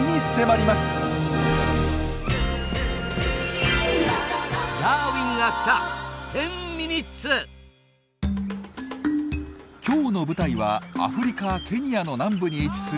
今日の舞台はアフリカケニアの南部に位置するジペ湖です。